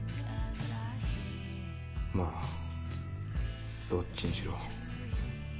まぁどっちにしろ